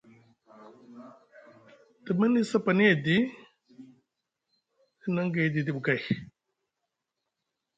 Te mini sapani edi, te hinaŋ gay didiɓi kay.